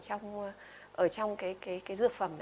ở trong cái dược phẩm